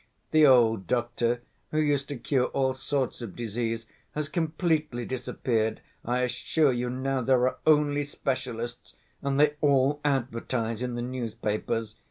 The old doctor who used to cure all sorts of disease has completely disappeared, I assure you, now there are only specialists and they all advertise in the newspapers.